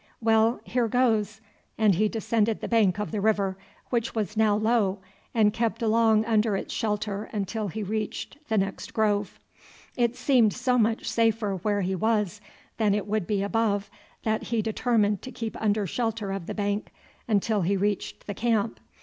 Well, here goes!" and he descended the bank of the river, which was now low, and kept along under its shelter until he reached the next grove. It seemed so much safer where he was than it would be above that he determined to keep under shelter of the bank until he reached the camp.